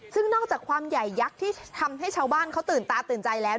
ซึ่งนอกจากความใหญ่ยักษ์ที่ทำให้ชาวบ้านเขาตื่นตาตื่นใจแล้ว